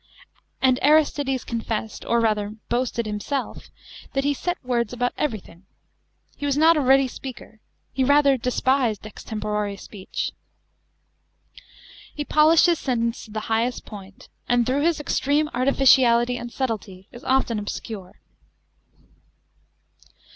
And Aristides confessed, or rather boasted, himself, that he set words above everything. He was not a ready speaker; he rather despised extempore speech. He polished his sentences to the highest point, and through his extreme artificiality and subtlety is often obscure. * 'Yirep iwv rerrapw. "f ' lepoi Aoyoi.